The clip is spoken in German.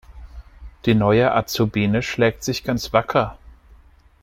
Die neue Azubine schlägt sich ganz wacker.